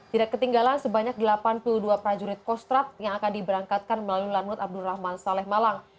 tidak ketinggalan sebanyak delapan puluh dua prajurit kostrat yang akan diberangkatkan melalui lanut abdurrahman saleh malang